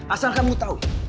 asal kamu tau